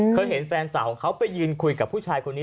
เคยเห็นแฟนสาวของเขาไปยืนคุยกับผู้ชายคนนี้